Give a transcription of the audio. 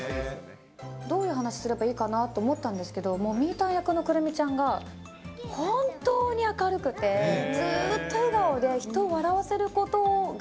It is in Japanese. どういう話すればいいかなと思ったんですけど、もう、みぃたん役の来泉ちゃんが本当に明るくて、ずっと笑顔で、人を笑